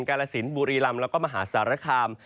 กาลสินบุรีลำแล้วก็มหาสารคาม